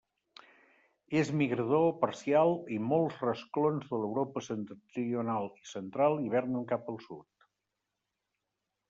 És migrador parcial i molts rasclons de l'Europa septentrional i central hivernen cap al sud.